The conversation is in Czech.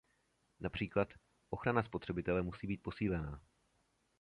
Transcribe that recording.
Například, ochrana spotřebitele musí být posílená.